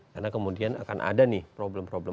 karena kemudian akan ada nih problem problem